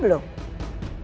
belum ah belum